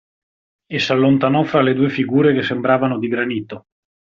E s'allontanò fra le due figure che sembravano di granito.